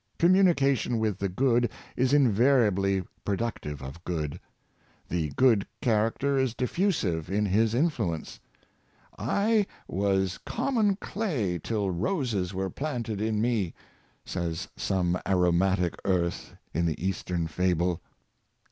Communication with the good is invariably product ive of good. The good character is difusive in his in fluence. " I was common clay till roses were planted in me," says some aromatic earth in the Eastern fable.